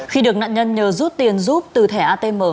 khi được nạn nhân nhờ rút tiền giúp từ thẻ atm